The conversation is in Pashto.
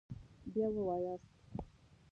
بیا ووایاست